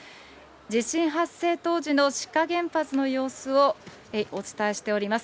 地震発生当時の志賀原発の様子をお伝えしております。